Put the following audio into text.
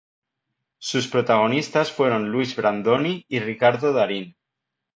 Sus protagonistas fueron Luis Brandoni y Ricardo Darín.